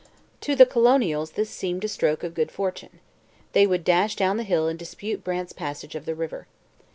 To the colonials this seemed a stroke of good fortune. They would dash down the hill and dispute Brant's passage of the river.